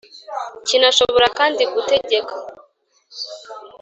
kinashobora kandi gutegeka